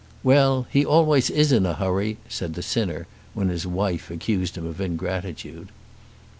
"Well; he always is in a hurry," said the sinner, when his wife accused him of ingratitude.